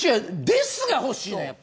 です、がほしいの。